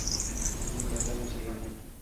আপনি কয়টা ভাষা জানেন?